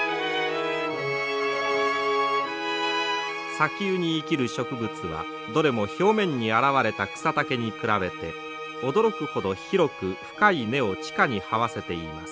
砂丘に生きる植物はどれも表面に現れた草丈に比べて驚くほど広く深い根を地下にはわせています。